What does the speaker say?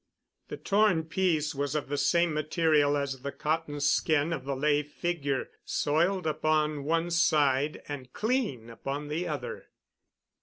The torn piece was of the same material as the cotton skin of the lay figure, soiled upon one side and clean upon the other.